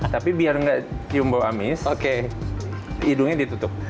tapi biar tidak cium bau amis hidungnya ditutup